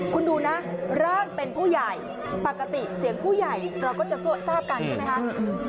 คุณดูนะร่างเป็นผู้ใหญ่ปกติเสียงผู้ใหญ่เราก็จะทราบกันใช่ไหมคะ